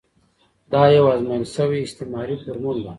دا یو ازمویل شوی استعماري فورمول دی.